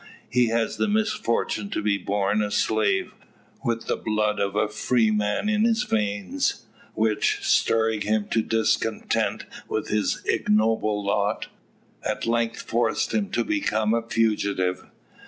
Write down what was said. He had the misfortune to be born a slave, with the blood of a freeman in his veins; which, stirring him to discontent with his ignoble lot, at length forced him to become a fugitive.